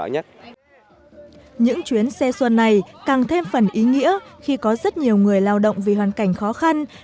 những chuyến xe xuân này càng thêm phần ý nghĩa khi có rất nhiều người lao động vì hoàn cảnh khó khăn